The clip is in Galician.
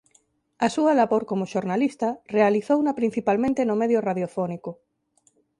A súa labor como xornalista realizouna principalmente no medio radiofónico.